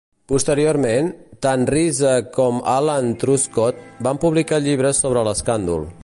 Posteriorment, tant Reese com Alan Truscott van publicar llibres sobre l'escàndol.